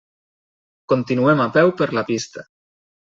Continuem a peu per la pista.